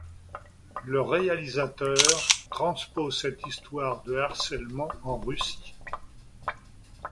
Le réalisateur transpose cette histoire de harcèlement en Russie.